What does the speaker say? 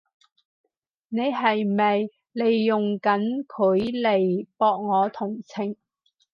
你係咪利用緊佢嚟博我同情？